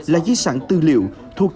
là di sản tư liệu thuộc